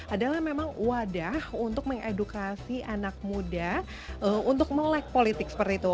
adalah memang wadah untuk mengedukasi anak muda untuk melek politik seperti itu